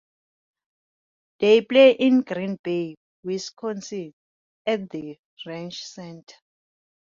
They play in Green Bay, Wisconsin, at the Resch Center.